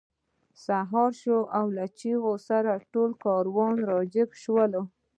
سهار شو او له چیغې سره ټول کارګران راجګ شول